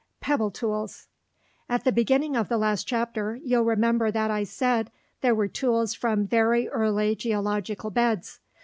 PEBBLE TOOLS At the beginning of the last chapter, you'll remember that I said there were tools from very early geological beds.